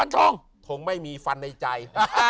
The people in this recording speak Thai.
ทองไม่มีฟันในใจ